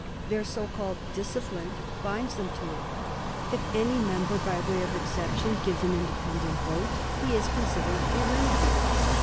Their so called discipline binds them to it. If any member, by way of exception, gives an independent vote, he is considered a renegade.